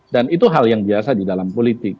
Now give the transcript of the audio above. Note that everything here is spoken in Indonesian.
dan itu hal yang biasa di dalam politik